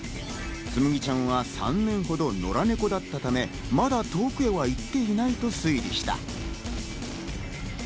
つむぎちゃんは３年ほど野良ネコだったため、まだ遠くへは行っていないと推理した。